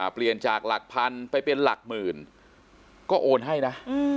เปลี่ยนจากหลักพันไปเป็นหลักหมื่นก็โอนให้นะ